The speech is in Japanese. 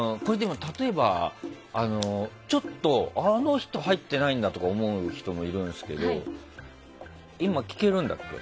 例えば、あの人入ってないんだとか思う人もいるんですけど今、聞けるんだっけ？